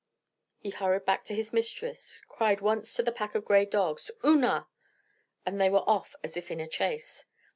He hurried back to his mistress, cried once to the pack of gray dogs, "Oonah!" and they were off as if in chase.